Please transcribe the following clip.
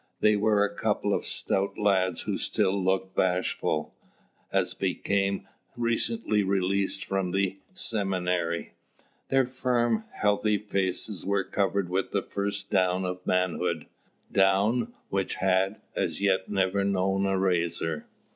They were a couple of stout lads who still looked bashful, as became youths recently released from the seminary. Their firm healthy faces were covered with the first down of manhood, down which had, as yet, never known a razor.